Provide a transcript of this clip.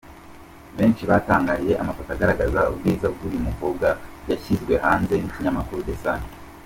Benshi batangariye amafoto agaragaza ubwiza bw’uyu mukobwa yashyizwe hanze n’ikinyamakuru The Sun.